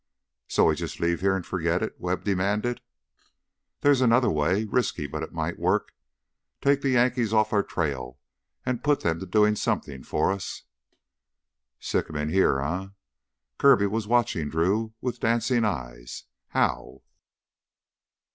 "So we jus' leave heah an' forgit it?" Webb demanded. "There's another way risky, but it might work. Take the Yankees off our trail and put them to doing something for us...." "Sic 'em in heah, eh?" Kirby was watching Drew with dancing eyes. "How?"